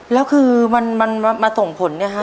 แล้วคือมันมาส่งผลเนี่ยฮะ